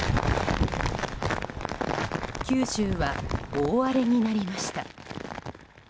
九州は大荒れになりました。